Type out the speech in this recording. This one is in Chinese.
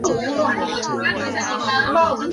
默斯河畔埃皮耶。